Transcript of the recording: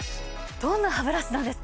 どんなハブラシなんですか？